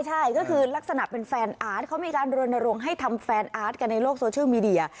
ใช่ก็คือลักษณะเป็นแฟนอาร์ตเขามีการรณรงค์ให้ทำแฟนอาร์ตกันในโลกโซเชียลมีเดีย